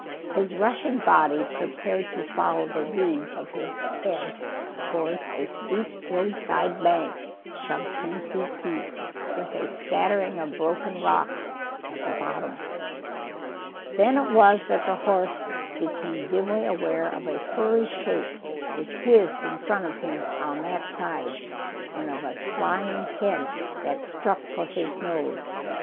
His rushing body prepared to follow the lead of his head towards a steep roadside bank some ten feet deep, with a scattering of broken rock at the bottom. Then it was that the horse became dimly aware of a furry shape which whizzed in front of him on that side, and of a flying head that struck for his nose.